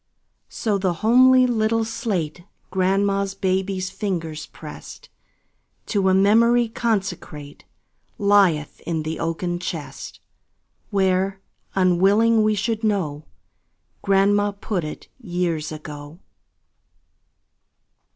So the homely little slate Grandma's baby's fingers pressed, To a memory consecrate, Lieth in the oaken chest, Where, unwilling we should know, Grandma put it, years ago.